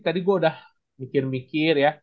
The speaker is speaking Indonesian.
tadi gue udah mikir mikir ya